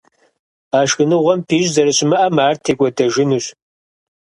А шхыныгъуэм пищӀ зэрыщымыӀэм ар текӀуэдэжынущ.